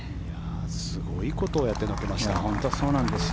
すごいことをやってのけました。